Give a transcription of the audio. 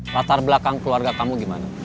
latar belakang keluarga kamu gimana